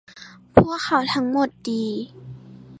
พวกเขาทั้งหมดดี